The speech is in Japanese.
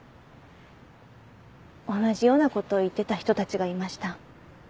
同じような事を言ってた人たちがいました。